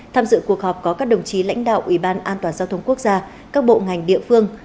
tham dự cuộc họp có các đồng chí lãnh đạo ủy ban an toàn giao thông quốc gia các bộ ngành địa phương